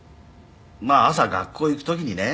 「まあ朝学校行く時にね